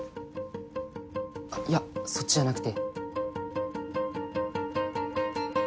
いやそっちじゃなくて。